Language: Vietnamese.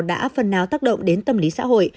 đã phần nào tác động đến tâm lý xã hội